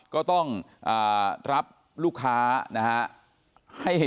ก็ต้องรับลูกค้านะฮะ